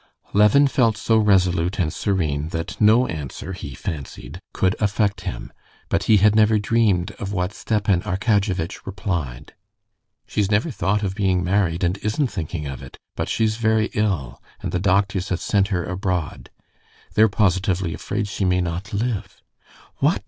Levin felt so resolute and serene that no answer, he fancied, could affect him. But he had never dreamed of what Stepan Arkadyevitch replied. "She's never thought of being married, and isn't thinking of it; but she's very ill, and the doctors have sent her abroad. They're positively afraid she may not live." "What!"